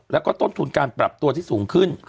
แล้วก็ต้นทุนการปรับตัวที่สูงขึ้น